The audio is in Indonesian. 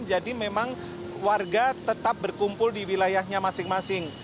jadi memang warga tetap berkumpul di wilayahnya masing masing